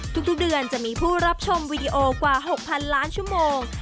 ทุกเดือนจะมีผู้รับชมวีดีโอกว่า๖๐๐๐ล้านชั่วโมง